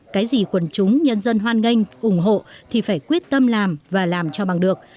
cái gì quần chúng nhân dân hoan nghênh ủng hộ thì phải quyết tâm làm và làm cho bằng được